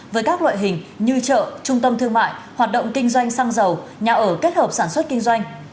với các loại hình như chợ trung tâm thương mại hoạt động kinh doanh xăng dầu nhà ở kết hợp sản xuất kinh doanh